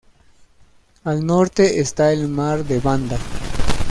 Al norte está el mar de Banda.